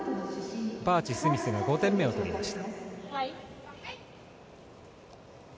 バーチ、スミスが５点目を取りました。